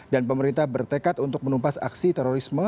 dan pemerintah bertekad untuk menumpas aksi terorisme